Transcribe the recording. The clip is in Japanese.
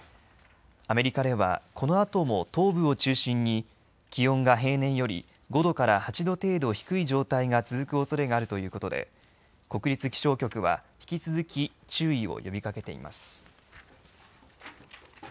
アメリカではこのあとも東部を中心に気温が平年より５度から８度程度低い状態が続くおそれがあるということで国立気象局は引き続き注意を呼びかけています。